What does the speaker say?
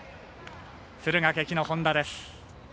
敦賀気比の本田です。